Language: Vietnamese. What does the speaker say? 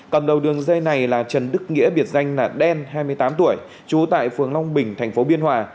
còn đầu đường dây này là trần đức nghĩa biệt danh là đen hai mươi tám tuổi trú tại phường long bình thành phố biên hòa